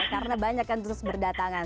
karena banyak kan terus berdatangan